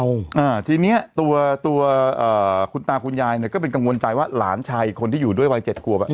อ่าทีเนี้ยตัวตัวเอ่อคุณตาคุณยายเนี้ยก็เป็นกังวลใจว่าหลานชายอีกคนที่อยู่ด้วยวัยเจ็ดขวบอ่ะ